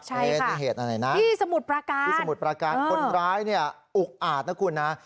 ใช่ค่ะที่สมุทรประการคนร้ายอุกอาจนะคุณนะ